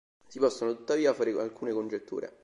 Si possono tuttavia fare alcune congetture.